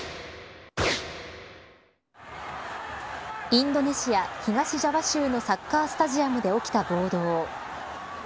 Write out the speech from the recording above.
インドネシア東ジャワ州のサッカースタジアムで起きた暴動。